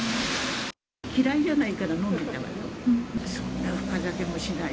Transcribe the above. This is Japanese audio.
嫌いじゃないから飲んでたわよ。